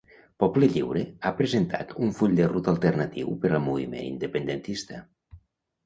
Poble Lliure ha presentat un full de ruta alternatiu per al moviment independentista.